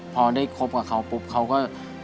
พอได้คบกับเขาปุ๊บเขาก็